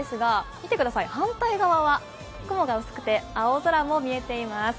見てください、反対側は雲が薄くて青空も見えています。